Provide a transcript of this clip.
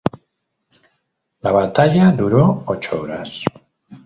La batalla duró ocho horas.